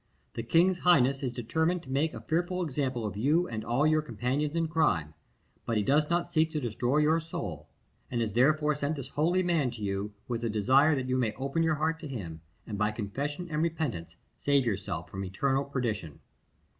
The king's highness is determined to make a fearful example of you and all your companions in crime; but he does not seek to destroy your soul, and has therefore sent this holy man to you, with the desire that you may open your heart to him, and by confession and repentance save yourself from eternal perdition."